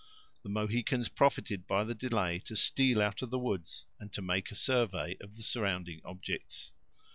The Mohicans profited by the delay, to steal out of the woods, and to make a survey of surrounding objects.